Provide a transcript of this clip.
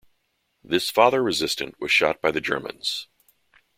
This father-resistant, was shot by the Germans.